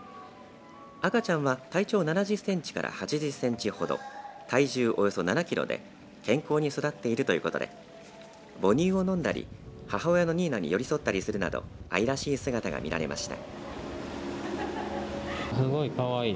赤ちゃんは、体長７０センチから８０センチほど体重およそ７キロで健康に育っているということで母乳を飲んだり母親のニーナに寄り添ったりするなど愛らしい姿が見られました。